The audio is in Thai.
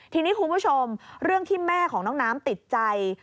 ทีนี้คุณผู้ชมเรื่องที่แม่ของน้องน้ำติดใจ